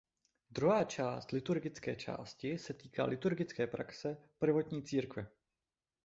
Druhá část liturgické části se týká liturgické praxe prvotní církve.